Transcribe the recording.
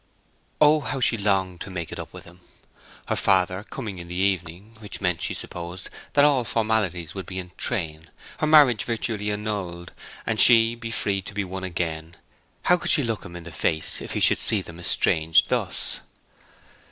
Oh, how she longed to make it up with him! Her father coming in the evening—which meant, she supposed, that all formalities would be in train, her marriage virtually annulled, and she be free to be won again—how could she look him in the face if he should see them estranged thus?